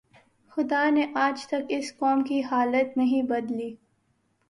خدا نے آج تک اس قوم کی حالت نہیں بدلی